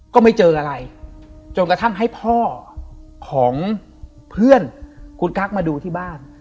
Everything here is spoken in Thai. ก็ไม่เจออะไรจนกระทั่งให้พ่อของเพื่อนคุณกั๊กมาดูที่บ้าน